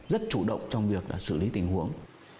rất chủ động trong việc xử lý tình huống